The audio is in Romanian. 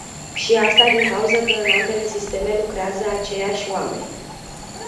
Și asta din cauză că în ambele sisteme lucrează aceIași oameni.